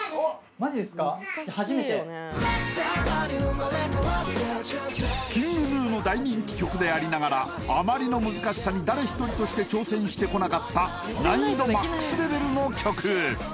真っ新に生まれ変わってＫｉｎｇＧｎｕの大人気曲でありながらあまりの難しさに誰一人として挑戦してこなかった難易度ＭＡＸレベルの曲